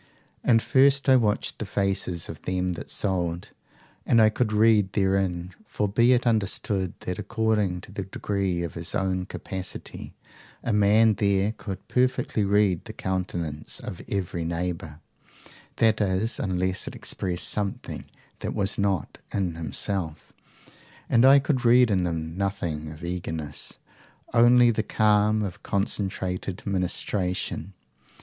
"'And first I watched the faces of them that sold; and I could read therein for be it understood that, according to the degree of his own capacity, a man there could perfectly read the countenance of every neighbour, that is, unless it expressed something that was not in himself and I could read in them nothing of eagerness, only the calm of a concentrated ministration.